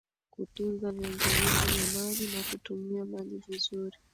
kutunza vyanzo vyetu vya maji na kutumia maji vizuri